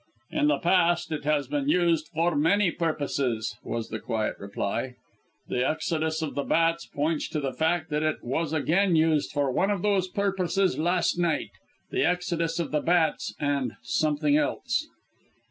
"In the past it has been used for many purposes," was the quiet reply. "The exodus of the bats points to the fact that it was again used for one of those purposes last night; the exodus of the bats and something else."